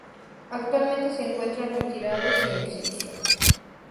Actualmente se encuentran retirados y en exhibición.